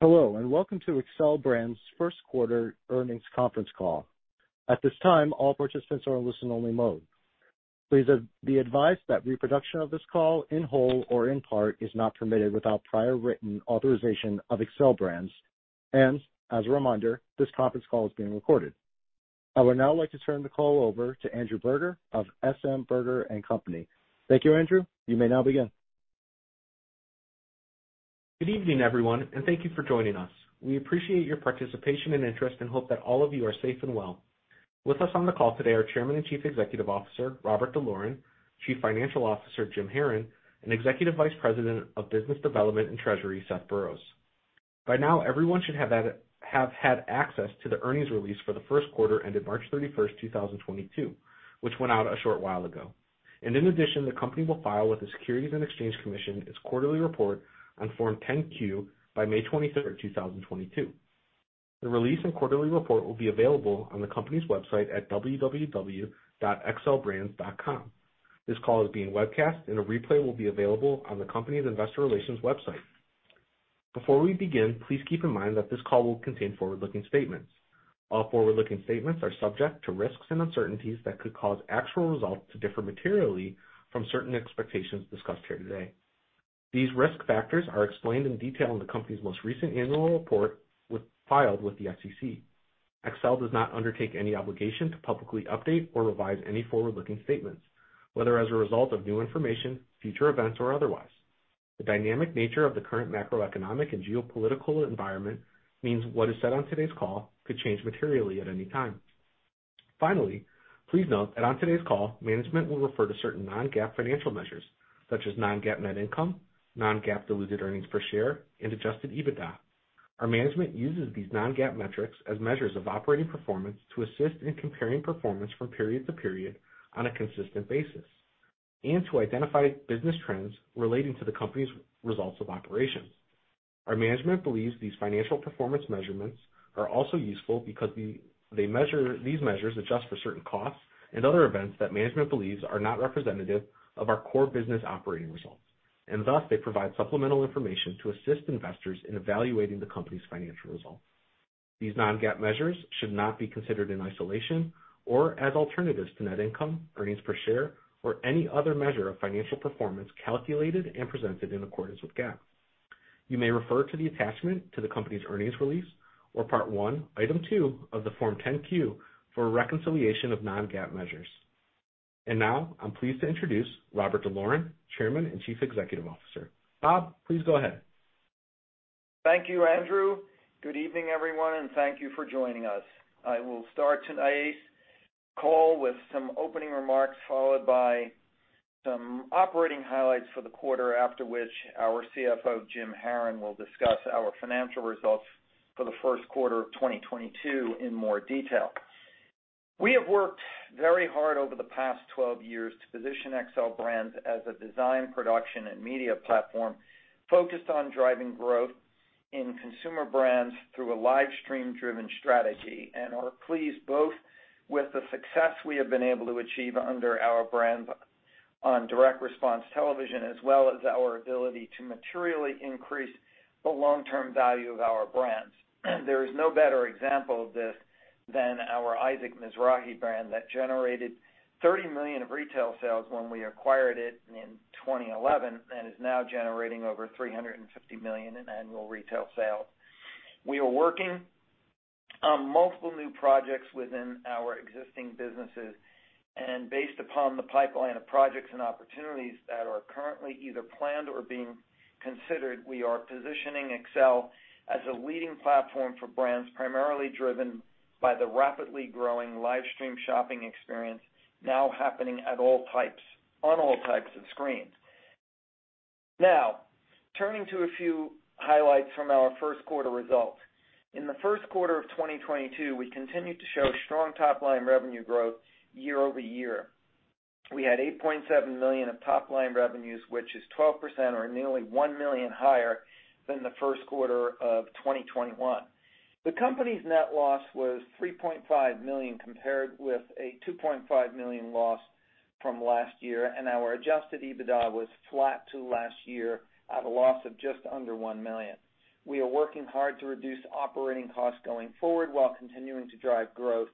Hello, and welcome to Xcel Brands' first quarter earnings conference call. At this time, all participants are in listen only mode. Please, be advised that reproduction of this call in whole or in part is not permitted without prior written authorization of Xcel Brands, and as a reminder, this conference call is being recorded. I would now like to turn the call over to Andrew Berger of SM Berger & Company. Thank you, Andrew. You may now begin. Good evening, everyone, and thank you for joining us. We appreciate your participation and interest and hope that all of you are safe and well. With us on the call today are Chairman and Chief Executive Officer, Robert D'Loren, Chief Financial Officer, Jim Haran, and Executive Vice President of Business Development and Treasury, Seth Burroughs. By now, everyone should have had access to the earnings release for the first quarter ended March 31st, 2022, which went out a short while ago. In addition, the company will file with the Securities and Exchange Commission its quarterly report on Form 10-Q by May 23rd, 2022. The release and quarterly report will be available on the company's website at www.xcelbrands.com. This call is being webcast, and a replay will be available on the company's investor relations website. Before we begin, please keep in mind that this call will contain forward-looking statements. All forward-looking statements are subject to risks and uncertainties that could cause actual results to differ materially from certain expectations discussed here today. These risk factors are explained in detail in the company's most recent annual report filed with the SEC. Xcel does not undertake any obligation to publicly update or revise any forward-looking statements, whether as a result of new information, future events, or otherwise. The dynamic nature of the current macroeconomic and geopolitical environment means what is said on today's call could change materially at any time. Finally, please note that on today's call, management will refer to certain non-GAAP financial measures, such as non-GAAP net income, non-GAAP diluted earnings per share, and adjusted EBITDA. Our management uses these non-GAAP metrics as measures of operating performance to assist in comparing performance from period to period on a consistent basis and to identify business trends relating to the company's results of operations. Our management believes these financial performance measurements are also useful because these measures adjust for certain costs and other events that management believes are not representative of our core business operating results. Thus, they provide supplemental information to assist investors in evaluating the company's financial results. These non-GAAP measures should not be considered in isolation or as alternatives to net income, earnings per share, or any other measure of financial performance calculated and presented in accordance with GAAP. You may refer to the attachment to the company's earnings release or Part One, Item Two of the Form 10-Q for a reconciliation of non-GAAP measures. Now, I'm pleased to introduce Robert D'Loren, Chairman and Chief Executive Officer. Bob, please go ahead. Thank you, Andrew. Good evening, everyone, and thank you for joining us. I will start tonight's call with some opening remarks, followed by some operating highlights for the quarter after which our CFO, Jim Haran, will discuss our financial results for the first quarter of 2022 in more detail. We have worked very hard over the past 12 years to position Xcel Brands as a design, production, and media platform focused on driving growth in consumer brands through a live stream-driven strategy and are pleased both with the success we have been able to achieve under our brands on direct response television, as well as our ability to materially increase the long-term value of our brands. There is no better example of this than our Isaac Mizrahi brand that generated $30 million of retail sales when we acquired it in 2011 and is now generating over $350 million in annual retail sales. We are working on multiple new projects within our existing businesses, and based upon the pipeline of projects and opportunities that are currently either planned or being considered, we are positioning Xcel as a leading platform for brands primarily driven by the rapidly growing live stream shopping experience now happening on all types of screens. Now, turning to a few highlights from our first quarter results. In the first quarter of 2022, we continued to show strong top-line revenue growth year-over-year. We had $8.7 million of top-line revenues, which is 12% or nearly $1 million higher than the first quarter of 2021. The company's net loss was $3.5 million, compared with a $2.5 million loss from last year, and our adjusted EBITDA was flat to last year at a loss of just under $1 million. We are working hard to reduce operating costs going forward while continuing to drive growth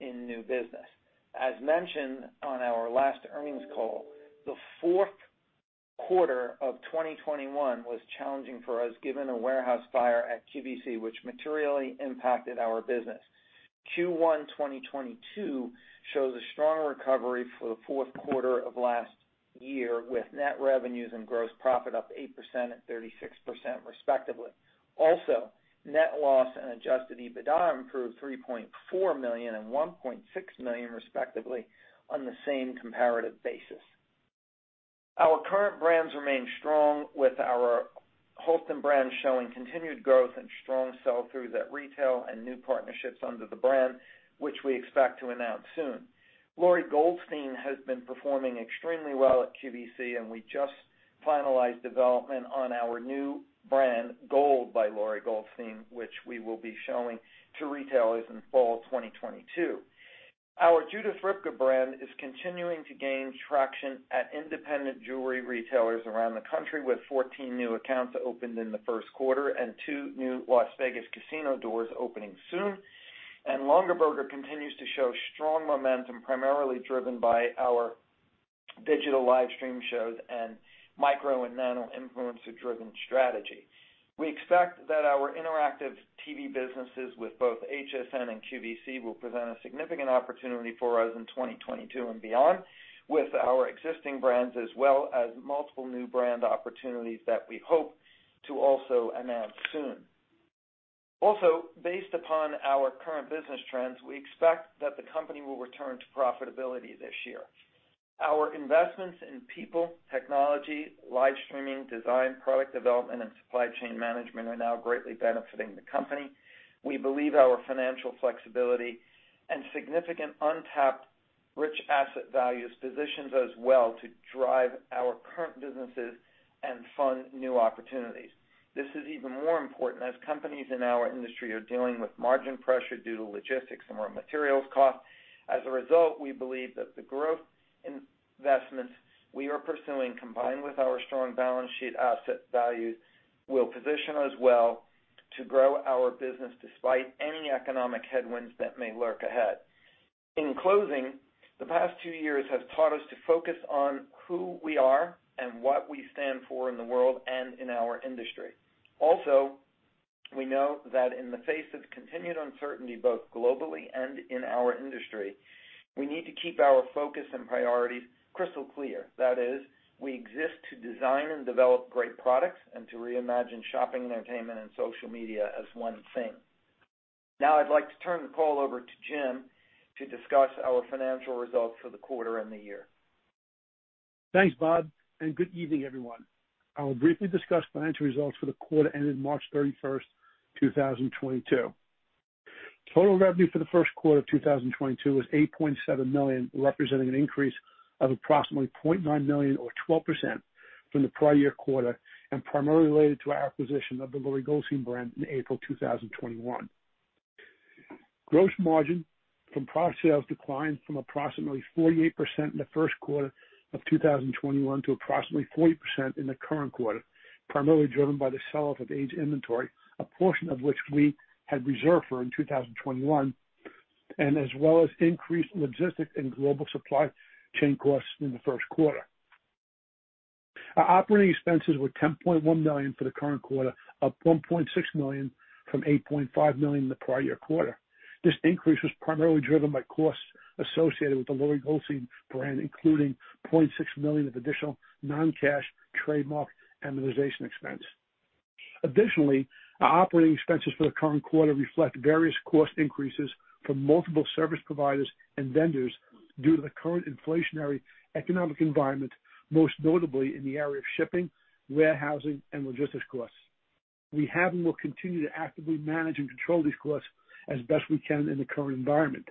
in new business. As mentioned on our last earnings call, the fourth quarter of 2021 was challenging for us, given a warehouse fire at QVC, which materially impacted our business. Q1 2022 shows a strong recovery for the fourth quarter of last year, with net revenues and gross profit up 8% and 36%, respectively. Also, net loss and adjusted EBITDA improved $3.4 million and $1.6 million, respectively, on the same comparative basis. Our current brands remain strong, with our Halston brand showing continued growth and strong sell-throughs at retail and new partnerships under the brand, which we expect to announce soon. Lori Goldstein has been performing extremely well at QVC, and we just finalized development on our new brand, LOGO by Lori Goldstein, which we will be showing to retailers in fall 2022. Our Judith Ripka brand is continuing to gain traction at independent jewelry retailers around the country, with 14 new accounts opened in the first quarter and two new Las Vegas casino doors opening soon. Longaberger continues to show strong momentum, primarily driven by our digital live stream shows and micro and nano-influencer-driven strategy. We expect that our interactive TV businesses with both HSN and QVC will present a significant opportunity for us in 2022 and beyond, with our existing brands as well as multiple new brand opportunities that we hope to also announce soon. Also, based upon our current business trends, we expect that the company will return to profitability this year. Our investments in people, technology, live streaming, design, product development, and supply chain management are now greatly benefiting the company. We believe our financial flexibility and significant untapped rich asset values positions us well to drive our current businesses and fund new opportunities. This is even more important as companies in our industry are dealing with margin pressure due to logistics and raw materials costs. As a result, we believe that the growth investments we are pursuing, combined with our strong balance sheet asset values, will position us well to grow our business despite any economic headwinds that may lurk ahead. In closing, the past two years have taught us to focus on who we are and what we stand for in the world and in our industry. Also, we know that in the face of continued uncertainty, both globally and in our industry, we need to keep our focus and priorities crystal clear. That is, we exist to design and develop great products and to reimagine shopping, entertainment, and social media as one thing. Now I'd like to turn the call over to Jim to discuss our financial results for the quarter and the year. Thanks, Bob, and good evening, everyone. I will briefly discuss financial results for the quarter ending March 31st, 2022. Total revenue for the first quarter of 2022 was $8.7 million, representing an increase of approximately $0.9 million or 12% from the prior year quarter and primarily related to our acquisition of the Lori Goldstein brand in April 2021. Gross margin from product sales declined from approximately 48% in the first quarter of 2021 to approximately 40% in the current quarter, primarily driven by the sellout of aged inventory, a portion of which we had reserved for in 2021, and as well as increased logistics and global supply chain costs in the first quarter. Our operating expenses were $10.1 million for the current quarter, up $1.6 million from $8.5 million in the prior year quarter. This increase was primarily driven by costs associated with the Lori Goldstein brand, including $0.6 million of additional non-cash trademark amortization expense. Additionally, our operating expenses for the current quarter reflect various cost increases from multiple service providers and vendors due to the current inflationary economic environment, most notably in the area of shipping, warehousing, and logistics costs. We have and will continue to actively manage and control these costs as best we can in the current environment.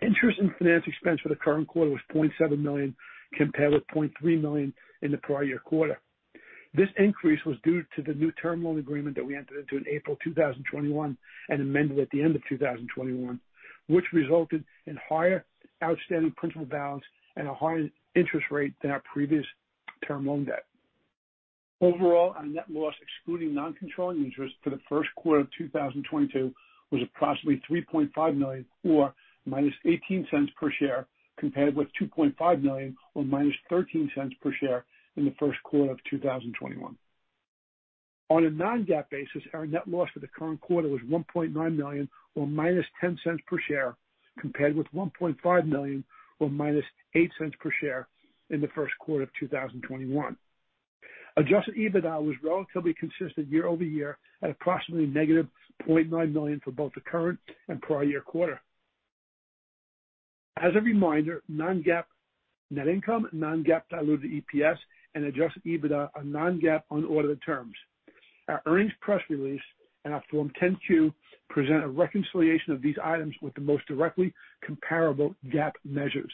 Interest and finance expense for the current quarter was $0.7 million, compared with $0.3 million in the prior year quarter. This increase was due to the new term loan agreement that we entered into in April 2021 and amended at the end of 2021, which resulted in higher outstanding principal balance and a higher interest rate than our previous term loan debt. Overall, our net loss, excluding non-controlling interest for the first quarter of 2022 was approximately $3.5 million or -$0.18 per share, compared with $2.5 million or -$0.13 per share in the first quarter of 2021. On a non-GAAP basis, our net loss for the current quarter was $1.9 million or -$0.10 per share, compared with $1.5 million or -$0.08 per share in the first quarter of 2021. Adjusted EBITDA was relatively consistent year-over-year at approximately -$0.9 million for both the current and prior year quarter. As a reminder, non-GAAP net income, non-GAAP diluted EPS, and adjusted EBITDA are non-GAAP unaudited terms. Our earnings press release and our Form 10-Q present a reconciliation of these items with the most directly comparable GAAP measures.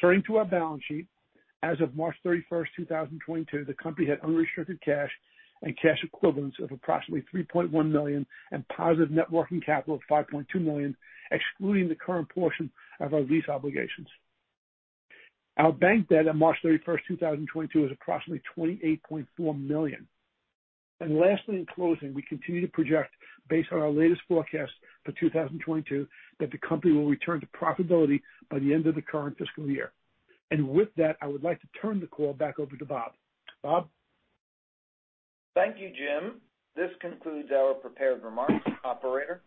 Turning to our balance sheet. As of March 31st, 2022, the company had unrestricted cash and cash equivalents of approximately $3.1 million and positive net working capital of $5.2 million, excluding the current portion of our lease obligations. Our bank debt at March 31st, 2022 was approximately $28.4 million. Lastly, in closing, we continue to project based on our latest forecast for 2022 that the company will return to profitability by the end of the current fiscal year. With that, I would like to turn the call back over to Bob. Bob? Thank you, Jim. This concludes our prepared remarks. Operator?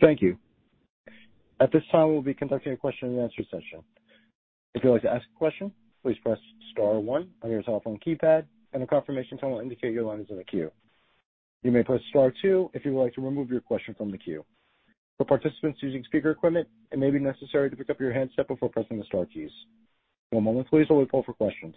Thank you. At this time, we'll be conducting a question and answer session. If you'd like to ask a question, please press star one on your telephone keypad and a confirmation tone will indicate your line is in the queue. You may press star two if you would like to remove your question from the queue. For participants using speaker equipment, it may be necessary to pick up your handset before pressing the star keys. One moment please while we poll for questions.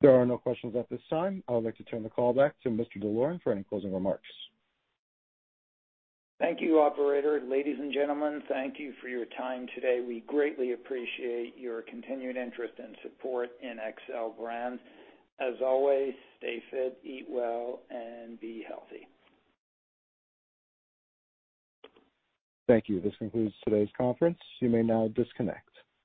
There are no questions at this time. I would like to turn the call back to Mr. D'Loren for any closing remarks. Thank you, operator. Ladies and gentlemen, thank you for your time today. We greatly appreciate your continued interest and support in Xcel Brands. As always, stay fit, eat well, and be healthy. Thank you. This concludes today's conference. You may now disconnect.